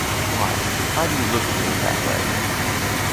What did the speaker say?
Wife, why do you look at me in that way?